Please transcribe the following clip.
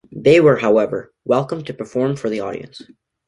They were, however, welcome to perform for the audience.